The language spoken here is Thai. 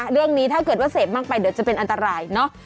เรื่องนี้ถ้าเกิดว่าเสพมากไปเดี๋ยวจะเป็นอันตรายเนอะ